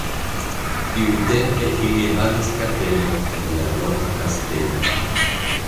Tiutempe ili havis kapelon en la loka kastelo.